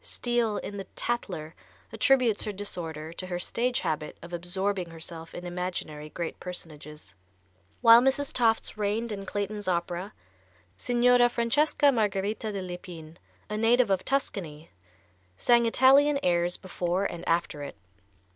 Steele, in the "Tattler," attributes her disorder to her stage habit of absorbing herself in imaginary great personages. While Mrs. Tofts reigned in Clayton's opera, Signora Francesca Margarita de l'Epine, a native of Tuscany, sang Italian airs before and after it.